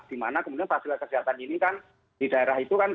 dimana kemudian fasilitas kesehatan ini kan di daerah itu kan